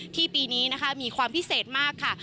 ปีนี้นะคะมีความพิเศษมากค่ะ